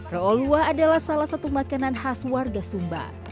rolua adalah salah satu makanan khas warga sumba